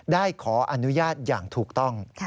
ได้ขออนุญาตอย่างถูกต้อง